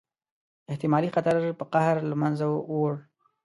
احتمالي خطر په قهر له منځه ووړ.